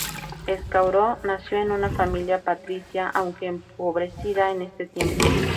Escauro nació en una familia patricia, aunque empobrecida en ese tiempo.